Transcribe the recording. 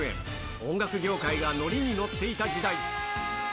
音楽業界がノリにノッていた時代。